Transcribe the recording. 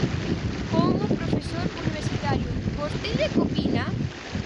Como profesor universitario, ¿vostede que opina?